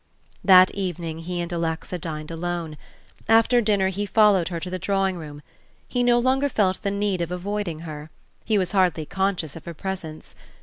That evening he and Alexa dined alone. After dinner he followed her to the drawing room. He no longer felt the need of avoiding her; he was hardly conscious of her presence.